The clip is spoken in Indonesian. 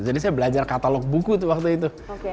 jadi saya belajar catalog buku waktu itu